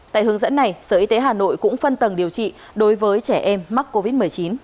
tại hướng dẫn này sở y tế hà nội cũng phân tầng điều trị đối với trẻ em mắc covid một mươi chín